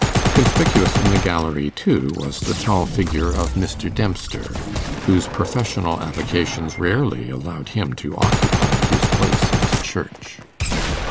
Conspicuous in the gallery, too, was the tall figure of Mr. Dempster, whose professional avocations rarely allowed him to occupy his place at church.